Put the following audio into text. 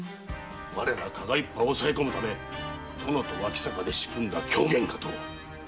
我ら加賀一派を押さえ込むため殿と脇坂が仕組んだ狂言かと。